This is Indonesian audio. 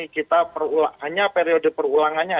kita hanya periode perulangannya